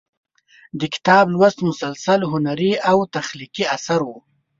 د کتاب لوست مسلسل هنري او تخلیقي اثر و.